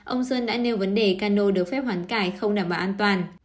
ông sơn đã nêu vấn đề cano được phép hoán cải không đảm bảo an toàn